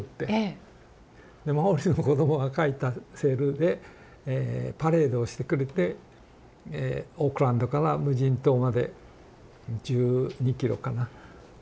でマオリの子どもが描いたセールでパレードをしてくれてオークランドから無人島まで１２キロかなを渡ってくれて。